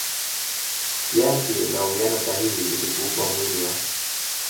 kiasi na uwiano sahihi ili kuupa mwili wa